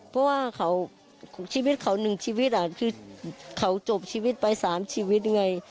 เพราะว่าชีวิตเขาหนึ่งชีวิตคือเขาจบชีวิตไป๓ชีวิตไง